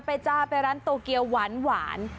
ไปจ้าไปร้านโตเกียวหวานหวาน